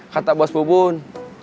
kata bos bubun